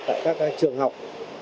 tại các trường học